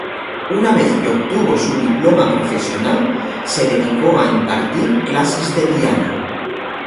Una vez que obtuvo su diploma profesional, se dedicó a impartir clases de piano.